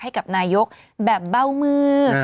ให้กับนายกแบบเบ้ามือ